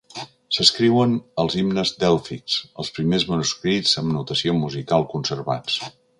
S'escriuen els himnes dèlfics, els primers manuscrits amb notació musical conservats.